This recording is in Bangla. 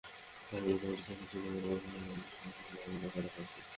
তাঁর বিরুদ্ধে মোটরসাইকেল চুরি, মারামারিসহ নানা অভিযোগে সাতটি মামলা করা হয়েছে।